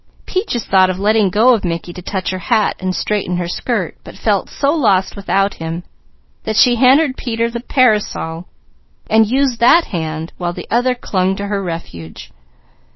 Peaches thought of letting go of Mickey to touch her hat and straighten her skirt, but felt so lost without him, that she handed Peter the parasol, and used that hand, while the other clung to her refuge.